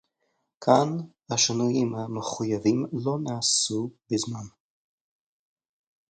כאן השינויים המחויבים לא נעשו בזמן